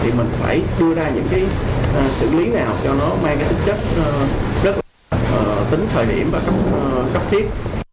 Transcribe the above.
thì mình phải đưa ra những sự lý nào cho nó mang tính thời điểm và cấp thiết